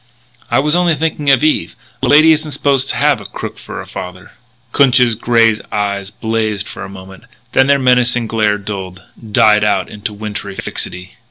"I was only thinking of Eve. A lady isn't supposed to have a crook for a father." Clinch's grey eyes blazed for a moment, then their menacing glare dulled, died out into wintry fixity.